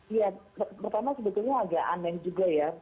ya pertama sebetulnya agak aneh juga ya